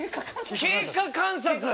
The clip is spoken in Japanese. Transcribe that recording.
経過観察！